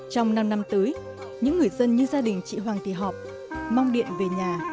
trong năm năm tới những người dân như gia đình chị hoàng thị họp mong điện về nhà